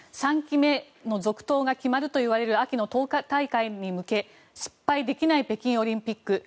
３期目の続投が決まるといわれる秋の党大会に向け失敗できない北京オリンピック。